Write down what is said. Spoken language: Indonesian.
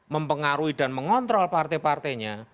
mempengaruhi dan mengontrol partai partainya